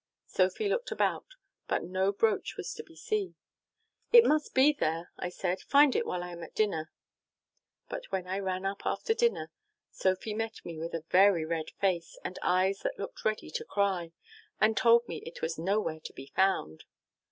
"Sophy looked about, but no brooch was to be seen. "'It must be there,' I said, 'find it while I am at dinner.' "But when I ran up after dinner, Sophy met me with a very red face and eyes that looked ready to cry, and told me it was nowhere to be found!